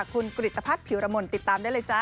คุณกริตภัทรผิวรมนติดตามได้เลยจ้า